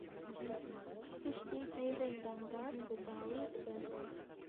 Piştî peyvên dengdar bi dawî dibin.